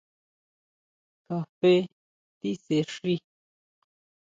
Kafé tisexi.